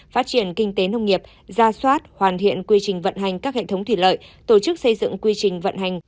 phát triển kinh tế nông nghiệp ra soát hoàn thiện quy trình vận hành các hệ thống thủy lợi tổ chức xây dựng quy trình vận hành